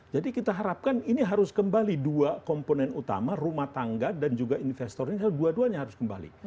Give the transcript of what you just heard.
jadi kita harapkan ini harus kembali dua komponen utama rumah tangga dan juga investor ini dua duanya harus kembali